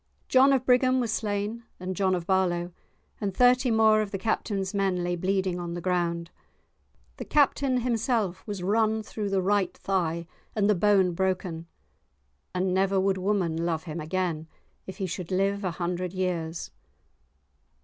John of Brigham was slain, and John of Barlow, and thirty more of the Captain's men lay bleeding on the ground. The Captain himself was run through the right thigh and the bone broken, and never would woman love him again, if he should live a hundred years.